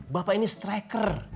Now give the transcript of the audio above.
bapak ini striker